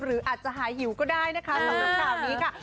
หรืออาจจะหายหิวก็ได้นะคะสำหรับข่าวนี้ค่ะ